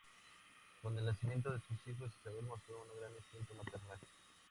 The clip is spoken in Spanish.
Con el nacimiento de sus hijos, Isabel mostró un gran instinto maternal.